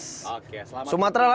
sumatra lanjut sumatra kalimantan ya